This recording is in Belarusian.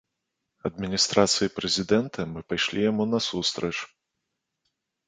Адміністрацыі прэзідэнта мы пайшлі яму насустрач.